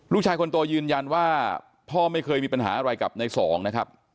ลูกชายคนโตยืนยันว่าพ่อไม่เคยมีปัญหาอะไรกับในสองนะครับ